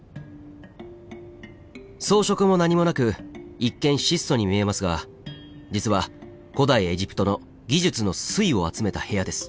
装飾も何もなく一見質素に見えますが実は古代エジプトの技術の粋を集めた部屋です。